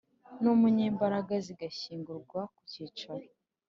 N umunyamabanga zigashyingurwa ku cyicaro